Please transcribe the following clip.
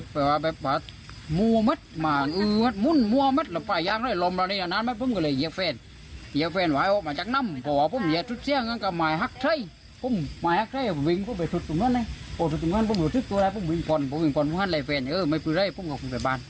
ผมถึงตัวแรกผมหิงป่อนเพราะห้านรายเฟรนไม่ซึ่งให้ผู้งครับคุณผ่าน